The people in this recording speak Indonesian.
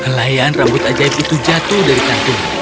kelayan rambut ajaib itu jatuh dari kantung